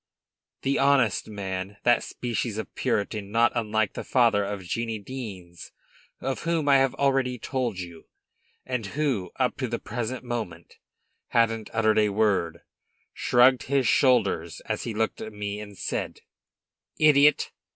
The honest man, that species of puritan not unlike the father of Jeannie Deans, of whom I have already told you, and who, up to the present moment hadn't uttered a word, shrugged his shoulders, as he looked at me and said: "Idiot!